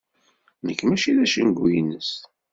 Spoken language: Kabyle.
Nekk mačči d acengu-ines.